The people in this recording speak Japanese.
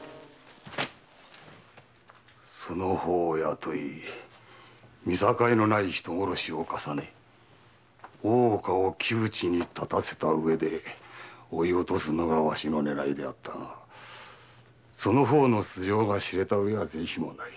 その方を雇い見境のない人殺しを重ね大岡を窮地に立たせた上で追い落とすのがわしの狙いだったがその方の素性が知られては是非もない。